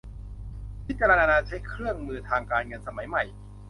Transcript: พิจารณาใช้เครื่องมือทางการเงินสมัยใหม่